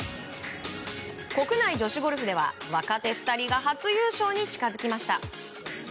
国内女子ゴルフでは若手２人が初優勝に近づきました。